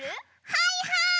はいはい！